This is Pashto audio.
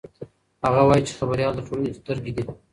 هغه وایي چې خبریال د ټولنې سترګې دي.